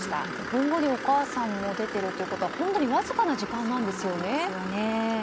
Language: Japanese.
５分後にお母さんも出ているということは本当にわずかな時間ですよね。